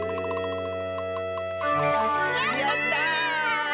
やった！